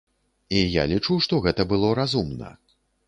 І я лічу, што гэта было разумна.